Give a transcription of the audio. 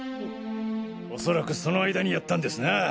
おそらくその間にやったんですな。